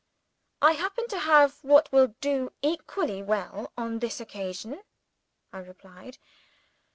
"I happen to have what will do equally well on this occasion," I replied.